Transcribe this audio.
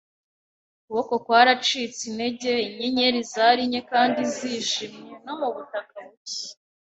ukuboko kwaracitse intege; inyenyeri zari nke kandi zijimye; no mu butaka buke